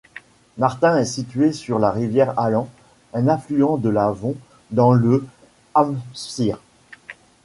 Martin est situé sur la rivière Allen, un affluent de l'Avon dans le Hampshire.